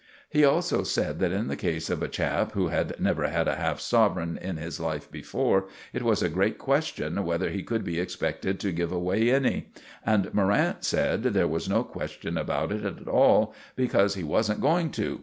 He also said that in the case of a chap who had never had a half sovereign in his life before, it was a great question whether he could be expected to give away any; and Morrant said there was no question about it at all, because he wasn't going to.